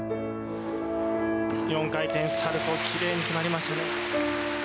４回転サルコー、きれいに決まりましたね。